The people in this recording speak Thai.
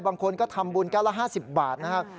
บางคนก็ทำบุญแก้วละ๕๐บาทนะครับ